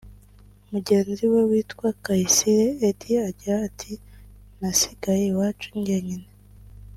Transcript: Mugenzi we witwa Kayisire Eddie agira ati “Nasigaye iwacu njyenyine